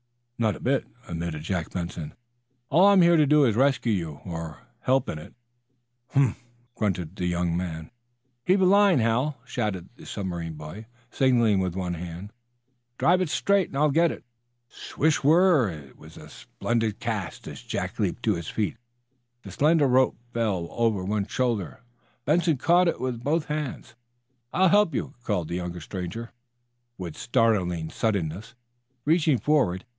"Not a bit," admitted Jack Benson. "All I'm here to do is to rescue you, or help in it." "Humph!" grunted the younger man. "Heave a line, Hal!" shouted the submarine boy, signaling with one hand. "Drive it straight. I'll get it." Swish! Whirr rr! It was a splendid cast. As Jack leaped to his feet the slender rope fell over one shoulder. Benson caught it with both hands. "I'll help you," called the younger stranger with startling suddenness, reaching forward.